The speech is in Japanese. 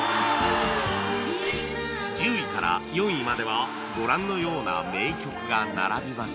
１０位から４位まではご覧のような名曲が並びました